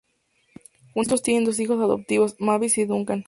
Juntos tienen dos hijos adoptivos, Mavis y Duncan.